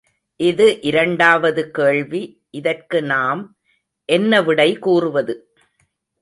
இது இரண்டாவது கேள்வி இதற்கு நாம் என்ன விடை கூறுவது?